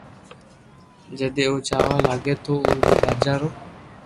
جني او جاوا لاگي تو اوري راجا رو